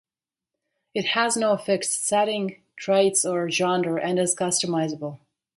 It has no fixed setting, traits, or genre and is customizable.